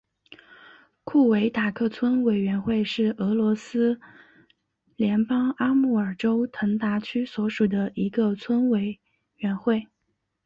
库维克塔村委员会是俄罗斯联邦阿穆尔州腾达区所属的一个村委员会。